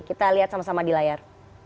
kita lihat sama sama di layar